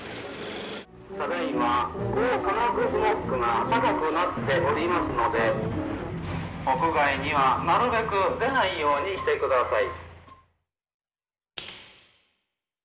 「ただいま光化学スモッグが高くなっておりますので屋外にはなるべく出ないようにしてください」。